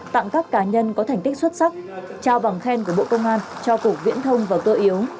tặng các cá nhân có thành tích xuất sắc trao bằng khen của bộ công an cho cục viễn thông và cơ yếu